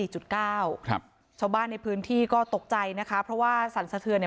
ชาวบ้านในพื้นที่ก็ตกใจนะคะเพราะว่าสั่นสะเทือน